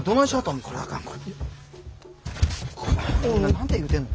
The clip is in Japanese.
何て言うてんの？